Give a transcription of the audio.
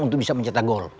untuk bisa mencetak gol